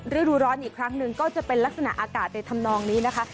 ฤดูร้อนอีกครั้งหนึ่งก็จะเป็นลักษณะอากาศในธรรมนองนี้นะคะ